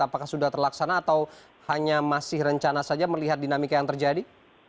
apakah sudah terlaksana atau hanya masih rencana saja melihat dinamika yang terjadi